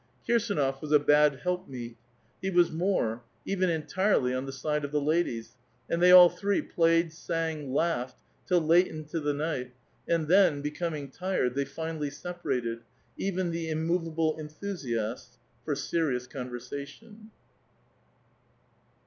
Kirsdnof was a bad help meet ; he was more ; even entirely, on the side of the ladies, and they all three played, sang, laughed, till late into the night, and then, becoming tired, they finally separated, even the immovable enthusiasts for serious conversation.